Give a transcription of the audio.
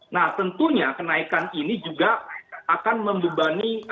nah tentunya kenaikan ini juga akan membebani